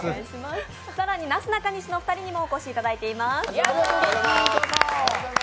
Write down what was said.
更になすなかにしのお二人にもお越しいただいています。